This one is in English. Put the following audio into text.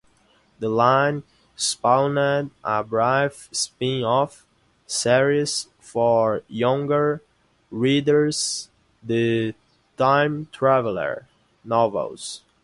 The line spawned a brief spin-off series for younger readers, the "Time Traveler" novels.